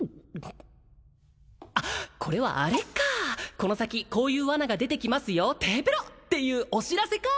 あっこれはあれかこの先こういう罠が出てきますよてへぺろっていうお知らせか！